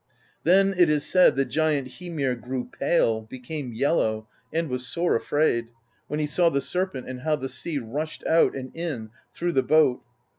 Then, it is said, the giant Hymir grew pale, became yel low, and was sore afraid, when he saw the Serpent, and how the sea rushed out and in through the boat.